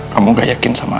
kamu gak yakin sama